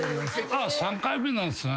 あっ３回目なんですね。